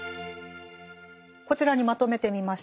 こちらにまとめてみました。